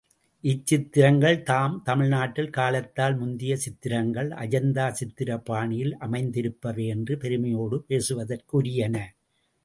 இச்சித்திரங்கள் தாம் தமிழ்நாட்டில் காலத்தால் முந்திய சித்திரங்கள், அஜந்தா சித்திரப் பாணியில் அமைந்திருப்பவை என்று பெருமையோடு பேசுவதற்கு உரியன.